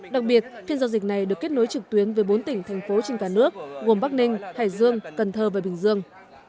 đặc biệt phiên giao dịch này được kết nối trực tuyến với bốn tỉnh thành phố trên cả nước gồm bắc ninh hải dương cần thơ và bình dương